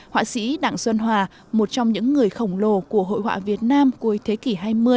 họa sĩ đặng xuân hòa một trong những người khổng lồ của hội họa việt nam cuối thế kỷ hai mươi